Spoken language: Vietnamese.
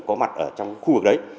có mặt ở trong khu vực đấy